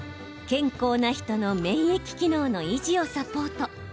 健康な人の免疫機能の維持をサポート。